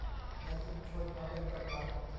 ในชุมชนมาเป็นกำลัง